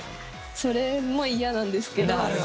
それも嫌なんですけど。